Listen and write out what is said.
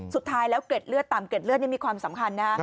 สุดท้ายแล้วเกร็ดเลือดต่ำเกร็ดเลือดนี่มีความสำคัญนะ